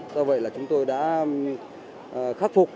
do vậy chúng tôi đã khắc phục